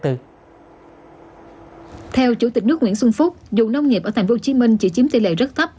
theo chủ tịch nước nguyễn xuân phúc dù nông nghiệp ở thành phố hồ chí minh chỉ chiếm tỷ lệ rất thấp